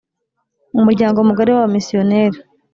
umuryango mugari w abamisiyoneri